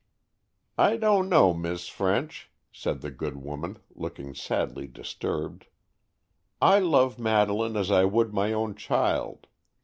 "I don't know, Miss French," said the good woman, looking sadly disturbed. "I love Madeleine as I would my own child.